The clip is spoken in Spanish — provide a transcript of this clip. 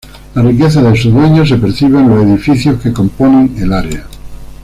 La riqueza de su dueño se percibe en los edificios que componen el área.